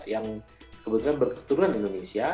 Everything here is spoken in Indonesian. yang kebetulan berketurunan indonesia